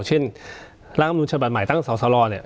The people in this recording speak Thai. เช่นร่างอำนาจบัติหมายตั้งสลเนี่ย